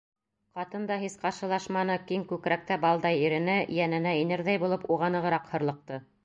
Ҡатын да һис ҡаршылашманы, киң күкрәктә балдай ирене, йәненә инерҙәй булып уға нығыраҡ һырлыҡты.